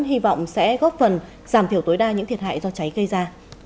hy vọng sẽ góp phần giảm thiểu tối đa những thiệt hại do cháy gây ra